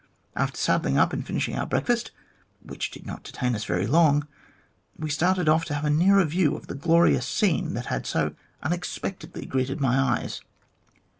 After saddling up and finishing our breakfast (which did not detain us very long), we started off to have a nearer view of the glorious scene that had so unexpectedly greeted my eyes.